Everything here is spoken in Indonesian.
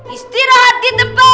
istirahat di depan